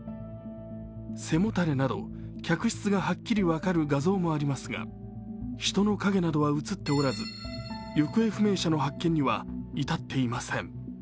背もたれなど、客室がはっきり分かる画像もありますが、人の影などは映っておらず、行方不明者の発見には至っていません。